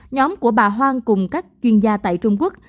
nhóm của bà hoang cùng các chuyên gia tại trung quốc